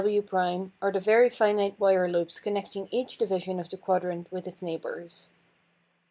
WW' are the very fine wire loops connecting each division of the quadrant with its neighbours.